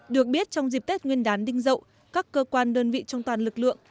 được biết trong dịp tết nguyên đán đinh rậu các cơ quan đơn vị trong toàn lực lượng